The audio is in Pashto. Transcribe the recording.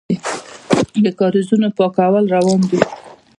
د کاریزونو پاکول روان دي؟